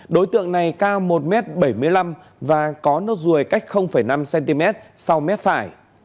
đối tượng này cao một m bảy mươi năm và có nốt ruồi cách năm cm sau mép phải